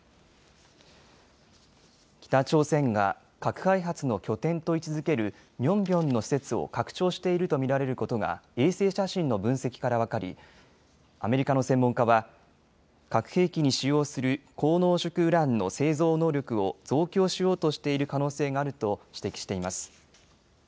北朝鮮が核開発の拠点と位置づけるニョンビョンの施設を拡張していると見られることが衛星写真の分析から分かりアメリカの専門家は核兵器に使用する高濃縮ウランの製造能力を増強しようとしている可能性があると指摘しています。